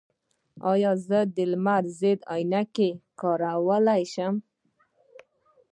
ایا زه د لمر ضد عینکې کارولی شم؟